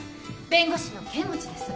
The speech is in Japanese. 弁護士の剣持です。